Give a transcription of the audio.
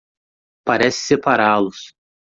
Parece separá-los